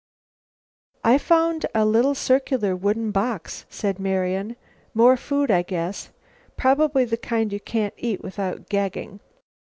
"I've found a little circular wooden box," said Marian. "More food, I guess; probably the kind you can't eat without gagging.